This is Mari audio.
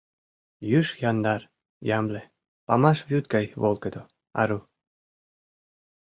Юж яндар, ямле, памаш вӱд гай волгыдо, ару.